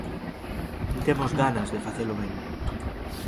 Temos ganas de facelo ben.